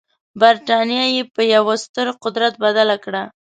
برټانیه یې په یوه ستر قدرت بدله کړه.